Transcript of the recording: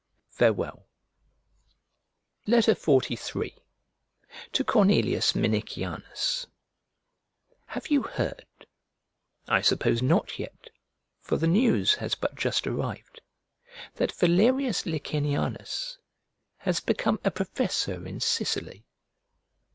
Farewell. XLIII To CORNELIUS MINICIANUS Have you heard I suppose, not yet, for the news has but just arrived that Valerius Licinianus has become a professor in Sicily?